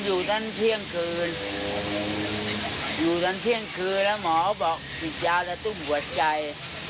อยู่ที่ที่เชิงคืนแล้วหมอเค้าบอกจิตญาติจะต้มปวดใจ